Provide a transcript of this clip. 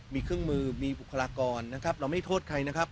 มีเครื่องมือมีบุคลากรนะครับเราไม่โทษใครนะครับ